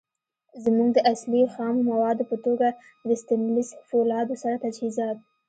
زمونږ د اصلی. خامو موادو په توګه د ستينليس فولادو سره تجهیزات